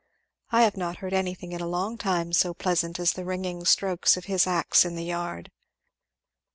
I have not heard anything in a long time so pleasant as the ringing strokes of his axe in the yard.